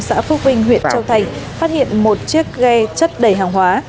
xã phước vinh huyện châu thành phát hiện một chiếc ghe chất đầy hàng hóa